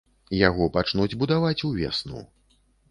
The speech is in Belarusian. Яго пачнуць будаваць увесну.